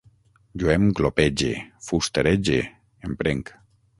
Jo em glopege, fusterege, emprenc